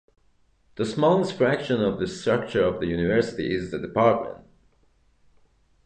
The smallest fraction of the structure of the University is the Department.